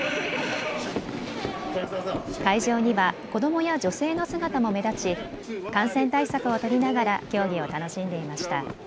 会場には子どもや女性の姿も目立ち感染対策を取りながら競技を楽しんでいました。